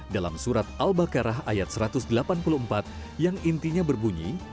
dalam surat al baqarah ayat satu ratus delapan puluh empat yang intinya berbunyi